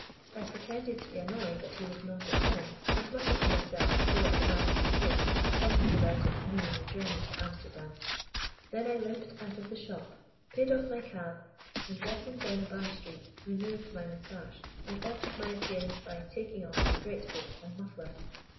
I pretended to be annoyed that he was not at home, and muttered to myself, so that the man could hear, something about its meaning a journey to Amsterdam. "Then I limped out of the shop, paid off my cab, and, walking down a by street, removed my moustache, and altered my appearance by taking off my great coat and muffler.